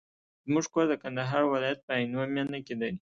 زموږ کور د کندهار ولایت په عينو مېنه کي دی.